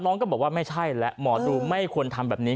น้องก็บอกว่าไม่ใช่แล้วหมอดูไม่ควรทำแบบนี้